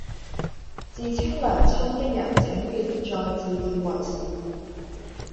自稱娘親的人請別再自以為是